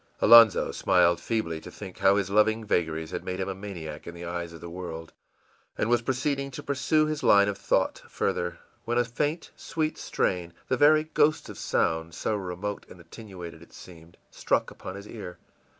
Alonzo smiled feebly to think how his loving vagaries had made him a maniac in the eyes of the world, and was proceeding to pursue his line of thought further, when a faint, sweet strain, the very ghost of sound, so remote and attenuated it seemed, struck upon his ear.